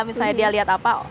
misalnya dia lihat apa